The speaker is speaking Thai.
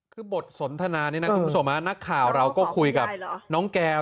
คือบทสนทนานี้นะคุณผู้ชมนักข่าวเราก็คุยกับน้องแก้ว